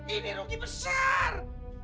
ini rugi besar